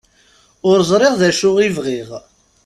Ur ẓriɣ d acu i bɣiɣ.